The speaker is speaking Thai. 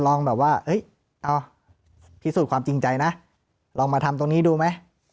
ลองแบบว่าเอาพิสูจน์ความจริงใจนะลองมาทำตรงนี้ดูไหม